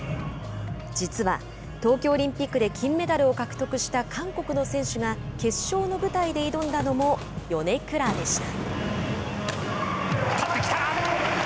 実は東京オリンピックで金メダルを獲得した韓国の選手が決勝の舞台で挑んだのもヨネクラでした。